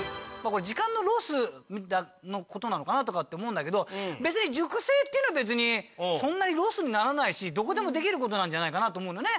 これ時間のロスの事なのかなとかって思うんだけど別に熟成っていうのは別にそんなにロスにならないしどこでもできる事なんじゃないかなと思うのよね